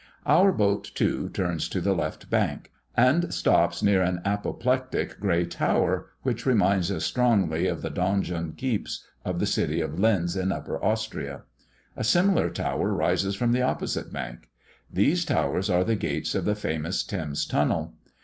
Our boat, too, turns to the left bank, and stops near an apoplectic grey tower, which reminds us strongly of the donjon keeps of the city of Linz in Upper Austria. A similar tower rises from the opposite bank. These towers are the gates of the famous Thames Tunnel.